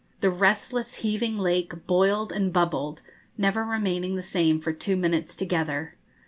The restless, heaving lake boiled and bubbled, never remaining the same for two minutes together.